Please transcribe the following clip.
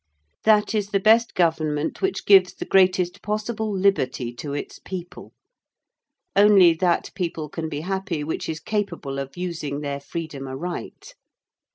That is the best Government which gives the greatest possible liberty to its people: only that people can be happy which is capable of using their freedom aright.